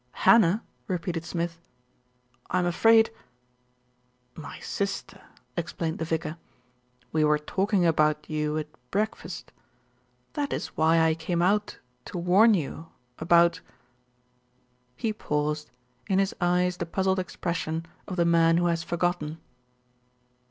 "Hannah!" repeated Smith. "I'm afraid" "My sister," explained the vicar. "We were talk ing about you at breakfast. That is why I came out to warn you about " He paused, in his eyes the puzzled expression of the man who has forgotten.